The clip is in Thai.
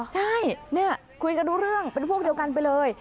ใช่เนี่ยคุยกันรู้เรื่องเป็นพวกเดียวกันไปเลย